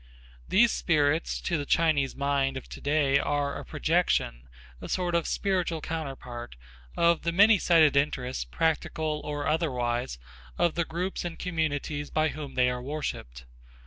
These spirits to the Chinese mind, of today are a projection, a sort of spiritual counterpart, of the many sided interests, practical or otherwise, of the groups and communities by whom they are worshipped.